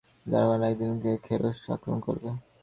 জার্মানরা একদিন আগেই খেরোস আক্রমণ করবে।